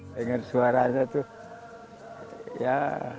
dengar suaranya tuh ya